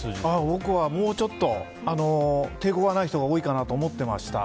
僕はもうちょっと抵抗がない人が多いかなと思ってました。